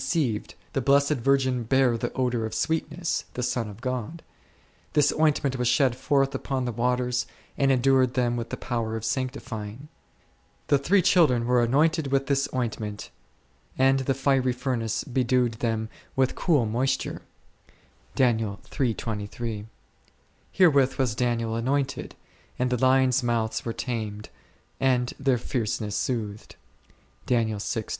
O O o o 27 ceived, the Blessed Virgin bare the odour of sweet ness, the Son of God ; this ointment was shed forth upon the waters, and endued them with the power of sanctifying; the Three Children were anointed with this ointment, and the fiery furnace bedewed them with cool moisture y ; herewith was Daniel anointed, and the lions' mouths were tamed, and their fierce ness soothed 2 .